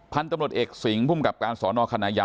พันธุ์ตำรวจเอกสิงห์พุ่มกับการสอนอคณะยาวบอกว่า